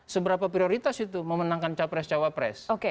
seberapa prioritas itu memenangkan capres cawapres